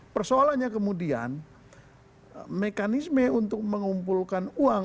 persoalannya kemudian mekanisme untuk mengumpulkan uang